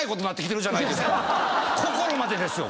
心までですよ！